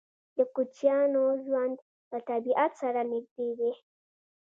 د کوچیانو ژوند له طبیعت سره نږدې دی.